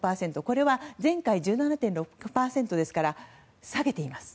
これは前回１７．６％ですから下げています。